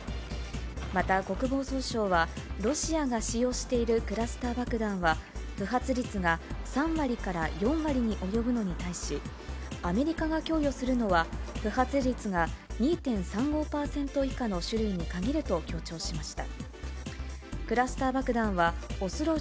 また国防総省は、ロシアが使用しているクラスター爆弾は、不発率が３割から４割に及ぶのに対し、アメリカが供与するのは、不発率が２．３５％以下の種類に限ると強調しました。